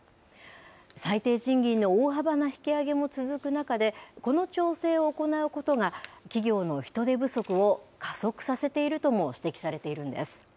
最低賃金の大幅な引き上げも続く中で、この調整を行うことが、企業の人手不足を加速させているとも指摘されているんです。